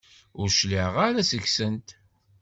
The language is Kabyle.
Ur cliɛeɣ ara seg-sent!